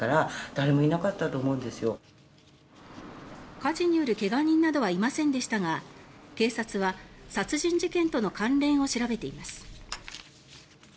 火事による怪我人などはいませんでしたが警察は殺人事件との関連を調べています。